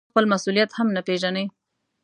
نو ته خپل مسؤلیت هم نه پېژنې.